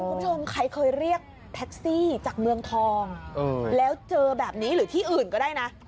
คุณผู้ชมใครเคยเรียกแท็กซี่จากเมืองทองแล้วเจอแบบนี้หรือที่อื่นก็ได้นะ